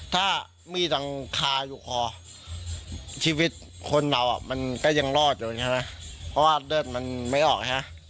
ถ้ามีดยังคาอยู่คอชีวิตคนเรามันก็ยังรอดอยู่ใช่ไหมเพราะว่าเลือดมันไม่ออกใช่ไหมฮะ